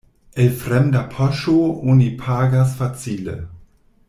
El fremda poŝo oni pagas facile.